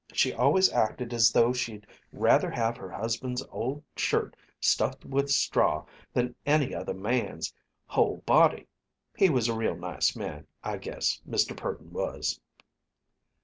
She always acted as though she'd rather have her husband's old shirt stuffed with straw than any other man's whole body. He was a real nice man, I guess, Mr. Purdon was."